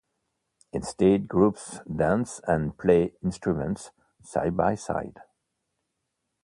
Instead, groups dance and play instruments side by side.